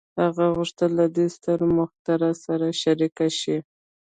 هغه غوښتل له دې ستر مخترع سره شريک شي.